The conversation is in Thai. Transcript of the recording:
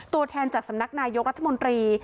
ตัวแทนจากสำนักนายกรัฐมนตรี